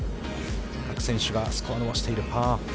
各選手がスコアを伸ばしているパー５。